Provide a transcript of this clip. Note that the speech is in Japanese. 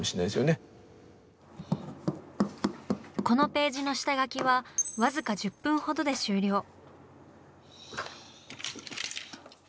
このページの下描きはわずか１０分ほどで終了。